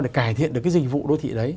để cải thiện được cái dịch vụ đô thị đấy